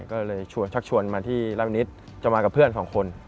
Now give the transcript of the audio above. ก็เลยชวนมาที่ราบินิตจะมากับเพื่อน๒คน